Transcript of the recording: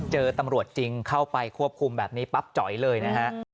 เจอตำรวจจริงเข้าไปควบคุมแบบนี้ปั๊บจ๋อยเลยนะฮะ